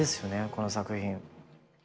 この作品。